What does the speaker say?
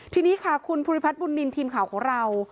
ทีนี้ค่ะคุณภูริพัฒนบุญนินทีมข่าวของเรา